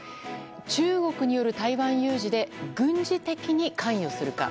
中国による台湾有事で軍事的に関与するか。